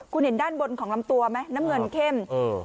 คุณเห็นด้านบนของลำตัวไหมน้ำเงินเข้มเออ